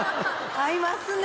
合いますね。